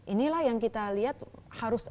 inilah yang kita lihat harus